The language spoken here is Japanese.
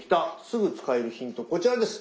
すぐ使えるヒントこちらです。